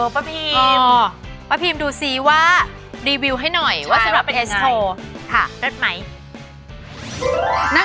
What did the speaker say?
ป้าพิมดูสิว่ารีวิวให้หน่อยว่าสำหรับเอสโท